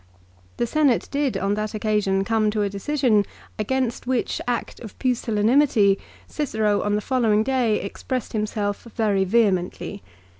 The Senate did on that occasion come to a decision, against which act of pusillanimity Cicero on the following day expressed himself very vehemently.